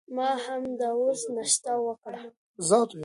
ما همدا اوس ناشته وکړه.